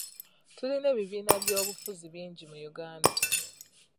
Tulina ebibiina by'obufuzi bingi mu Uganda.